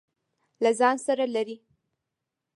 له ځان سره لري.